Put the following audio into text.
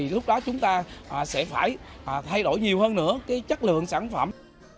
lúc đó chúng ta sẽ phải thay đổi nhiều hơn nữa chất lượng sản phẩm